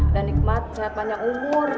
dan nikmat sehat panjang umur